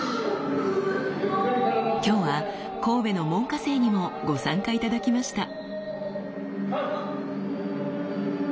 今日は神戸の門下生にもご参加頂きました。